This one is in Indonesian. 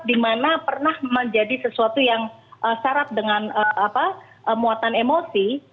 dimana pernah menjadi sesuatu yang syarat dengan muatan emosi